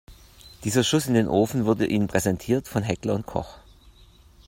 Dieser Schuss in den Ofen wurde Ihnen präsentiert von Heckler & Koch.